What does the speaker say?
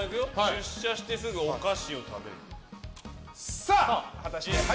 出社してすぐお菓子を食べる。